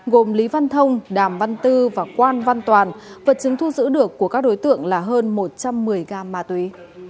gồm lý văn thông đàm văn tư và quan văn toàn vật chứng thu giữ được của các đối tượng là hơn một trăm một mươi gram ma túy